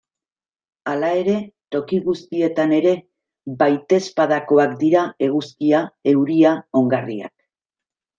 Hala ere, toki guztietan ere baitezpadakoak dira eguzkia, euria, ongarriak...